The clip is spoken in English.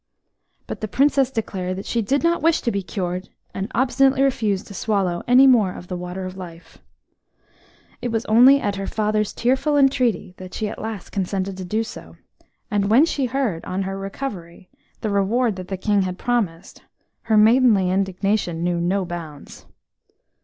But the Princess declared that she did not wish to be cured, and obstinately refused to swallow any more of the Water of Life. It was only at her father's tearful entreaty that she at last consented to do so, and when she heard, on her recovery, the reward that the King had promised, her maidenly indignation knew no bounds.